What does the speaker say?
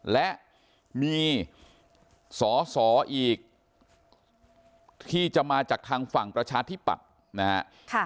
และมีสอสออีกที่จะมาจากทางฝั่งประชาธิปัตย์นะฮะ